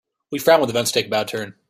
We frown when events take a bad turn.